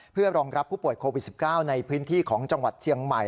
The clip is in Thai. เพื่อรองรับผู้ป่วยโควิด๑๙ในพื้นที่ของจังหวัดเชียงใหม่